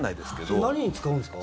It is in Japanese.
それ何に使うんですか？